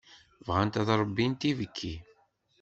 Bɣant ad ṛebbint ibekki.